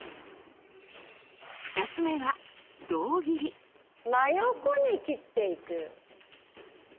２つ目は真横に切っていく。